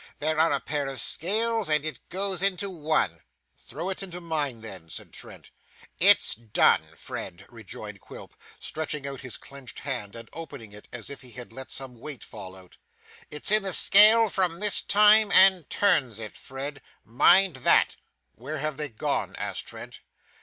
There are a pair of scales, and it goes into one.' 'Throw it into mine then,' said Trent. 'It's done, Fred,' rejoined Quilp, stretching out his clenched hand and opening it as if he had let some weight fall out. 'It's in the scale from this time, and turns it, Fred. Mind that.' 'Where have they gone?' asked Trent.